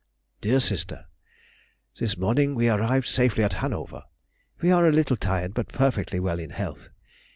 DEAR SISTER,— This morning we arrived safely at Hanover. We are a little tired, but perfectly well in health.